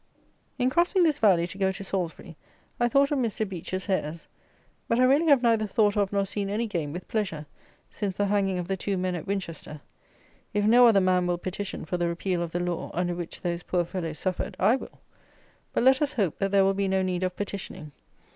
In crossing this valley to go to Salisbury, I thought of Mr. Beech's hares; but I really have neither thought of nor seen any game with pleasure, since the hanging of the two men at Winchester. If no other man will petition for the repeal of the law, under which those poor fellows suffered, I will. But let us hope, that there will be no need of petitioning.